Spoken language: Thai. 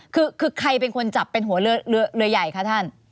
คือใครเป็นคนจับเป็นหัวเรือใหญ่คะท่าน